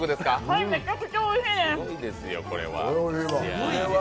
はい、めちゃくちゃおいしいです。